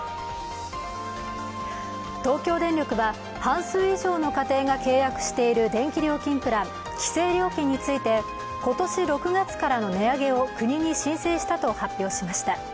東京電力は半数以上の家庭が契約している電気料金プラン、規制料金について今年６月からの値上げを国に申請したと発表しました。